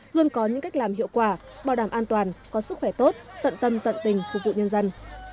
luôn có những cách làm hiệu quả bảo đảm an toàn có sức khỏe tốt tận tâm tận tình phục vụ nhân dân